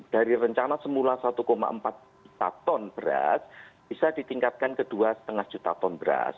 dari rencana semula satu empat juta ton beras bisa ditingkatkan ke dua lima juta ton beras